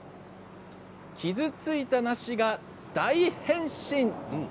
傷ついた梨が大変身。